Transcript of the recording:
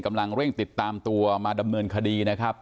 กำลังเร่งติดตามตัวมาดำเนินคดีนะครับ